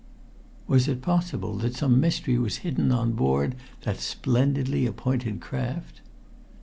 Was it possible that some mystery was hidden on board that splendidly appointed craft?